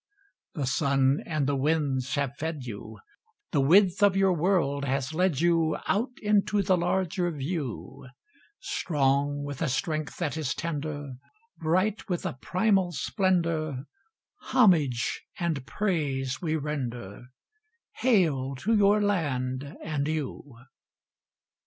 The sun and the winds have fed you; The width of your world has led you Out into the larger view; Strong with a strength that is tender, Bright with a primal splendour, Homage and praise we render— Hail to your land and you!